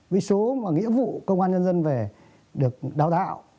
với số mà nghiệp vụ công an nhân dân về được đào tạo